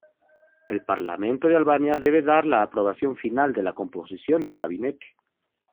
El Parlamento de Albania debe dar la aprobación final de la composición del gabinete.